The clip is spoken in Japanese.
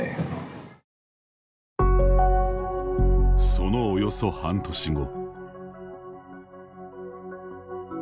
そのおよそ半年後。